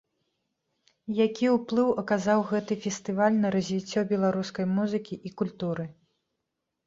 Які ўплыў аказаў гэты фестываль на развіццё беларускай музыкі і культуры?